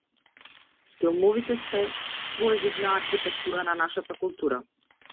Филмовите се своевидна архитектура на нашата култура.